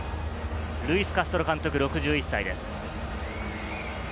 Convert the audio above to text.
ルイス・カストロ監督、６１歳です。